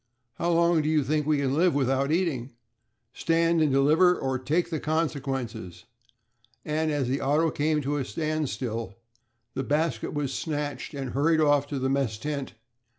"How long do you think we can live without eating?" "Stand and deliver or take the consequences" and as the auto came to a standstill, the basket was snatched and hurried off to the mess tent.